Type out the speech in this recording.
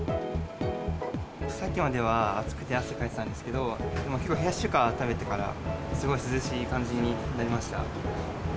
さっきまでは暑くて汗かいてたんですけど、結構、冷やし中華食べてから、すごい涼しい感じになりました。